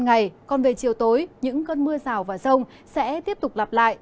ngày còn về chiều tối những cơn mưa rào và rông sẽ tiếp tục lặp lại